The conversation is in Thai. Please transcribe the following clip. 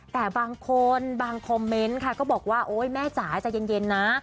แต่บางคนบางคอมเมนต์ค่ะก็บอกว่าโอ๊ยแม่จ๋าใจเย็นนะ